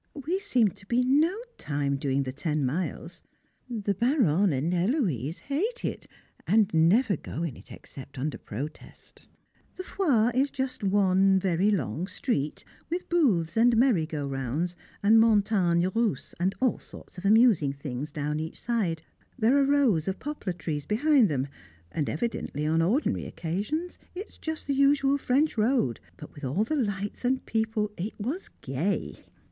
We seemed to be no time doing the ten miles. The Baronne and Héloise hate it, and never go in it except under protest. The Foire is just one very long street, with booths and merry go rounds, and Montagnes Russes, and all sorts of amusing things down each side. There are rows of poplar trees behind them, and evidently on ordinary occasions it is just the usual French road, but with all the lights and people it was gay.